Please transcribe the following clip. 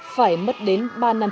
phải mất đến ba năm thí điểm